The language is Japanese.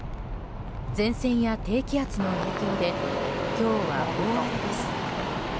前線や低気圧の影響で今日は大荒れです。